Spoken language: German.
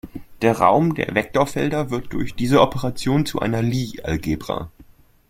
Der Raum der Vektorfelder wird durch diese Operation zu einer Lie-Algebra.